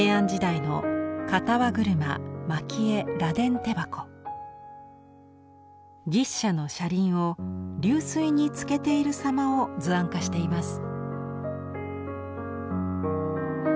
まずは牛車の車輪を流水につけている様を図案化しています。